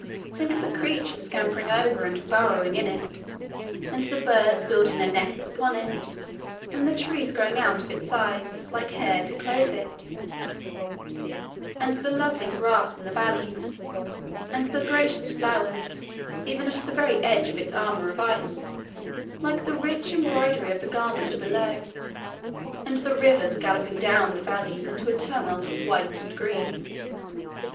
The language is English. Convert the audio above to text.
Think of the creatures scampering over and burrowing in it, and the birds building their nests upon it, and the trees growing out of its sides, like hair to clothe it, and the lovely grass in the valleys, and the gracious flowers even at the very edge of its armour of ice, like the rich embroidery of the garment below, and the rivers galloping down the valleys in a tumult of white and green!